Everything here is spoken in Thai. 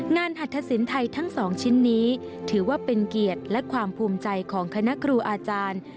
หัตถสินไทยทั้ง๒ชิ้นนี้ถือว่าเป็นเกียรติและความภูมิใจของคณะครูอาจารย์